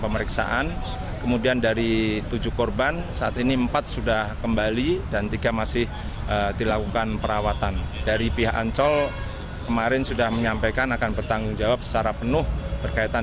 mereka diperbolehkan untuk pulang